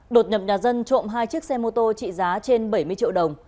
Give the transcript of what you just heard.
đột nhập nhà dân trộm hai chiếc xe mô tô trị giá trên bảy mươi triệu đồng